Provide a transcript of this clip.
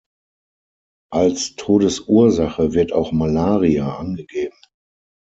Als Todesursache wird auch Malaria angegeben.